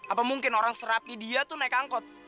apa mungkin orang serapi dia tuh naik angkot